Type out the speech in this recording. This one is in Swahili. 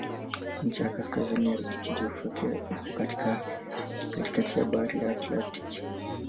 Ncha ya kaskazini ya kijiografia iko katikati ya Bahari ya Aktiki.